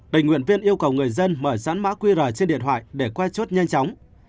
đềnh nguyện viên yêu cầu người dân mở sẵn mã qr trên điện thoại để qua chốt nhanh chóng